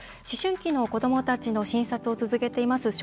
思春期の子どもたちの診察を続けています